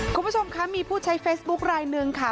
คุณผู้ชมคะมีผู้ใช้เฟซบุ๊คลายหนึ่งค่ะ